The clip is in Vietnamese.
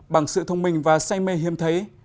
bằng sự thông minh và say mê hiếm thấy